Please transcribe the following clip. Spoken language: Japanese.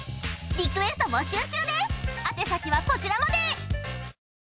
あて先はこちらまで。